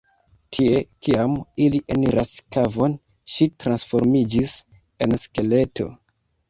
Tie, kiam ili eniras kavon, ŝi transformiĝis en skeleto.